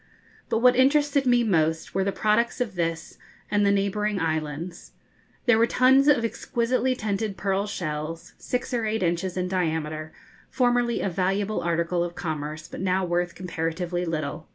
But what interested me most were the products of this and the neighbouring islands. There were tons of exquisitely tinted pearl shells, six or eight inches in diameter, formerly a valuable article of commerce, but now worth comparatively little.